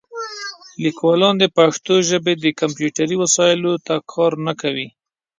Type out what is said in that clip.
لیکوالان د پښتو ژبې د کمپیوټري وسایلو ته کار نه کوي.